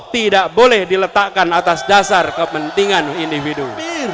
tidak boleh diletakkan atas dasar kepentingan individu